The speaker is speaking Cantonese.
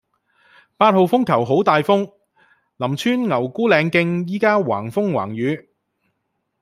八號風球好大風，林村牛牯嶺徑依家橫風橫雨